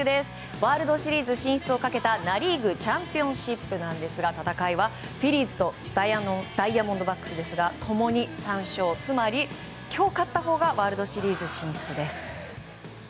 ワールドシリーズ進出をかけたナ・リーグチャンピオンシップの戦いはフィリーズとダイヤモンドバックスですが共に３勝つまり今日勝ったほうがワールドシリーズ進出です。